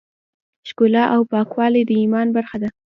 ښکلا او پاکوالی د ایمان برخه ده.